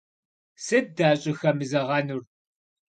Сыт дащӏыхэмызэгъэнур?